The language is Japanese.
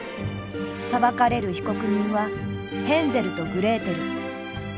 裁かれる被告人はヘンゼルとグレーテル。